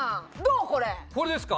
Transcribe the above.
これですか？